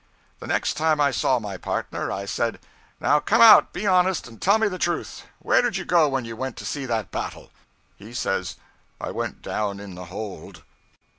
The next time I saw my partner, I said, 'Now, come out, be honest, and tell me the truth. Where did you go when you went to see that battle?' He says, 'I went down in the hold.'